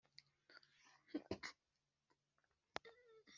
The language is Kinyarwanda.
I Kamara-mpiza ka Ndagano ya Ngo-twigabe